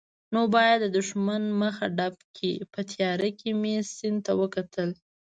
نو باید د دښمن مخه ډب کړي، په تیارې کې مې سیند ته وکتل.